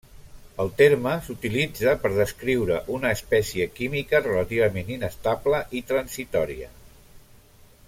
El terme s'utilitza per descriure una espècie química relativament inestable i transitòria.